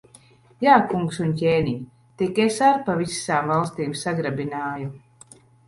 Jā, kungs un ķēniņ! Tik es ar pa visām valstīm sagrabināju.